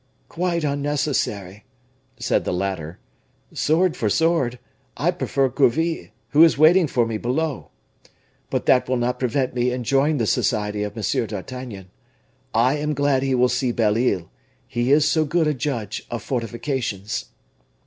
"Quite unnecessary," said the latter; "sword for sword; I prefer Gourville, who is waiting for me below. But that will not prevent me enjoying the society of M. d'Artagnan. I am glad he will see Belle Isle, he is so good a judge of fortifications."